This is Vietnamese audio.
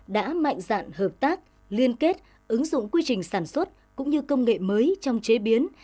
đã mạnh dạn hợp tác liên kết ứng dụng quy trình sản xuất cũng như công nghệ mới trong chế biến